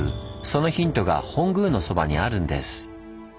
そのヒントが本宮のそばにあるんです。